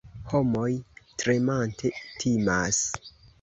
Homoj tremante timas.